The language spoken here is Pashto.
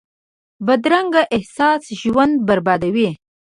بدرنګه احساس ژوند بربادوي